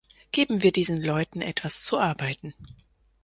Geben wir diesen Leuten etwas zu arbeiten.